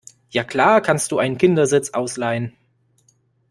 ja klar, kannst du einen Kindersitz ausleihen.